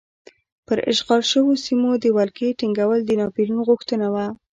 پر اشغال شویو سیمو د ولکې ټینګول د ناپلیون غوښتنه وه.